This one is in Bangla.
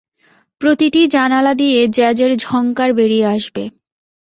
প্রতিটি জানালা দিয়ে জ্যাজের ঝংকার বেরিয়ে আসবে!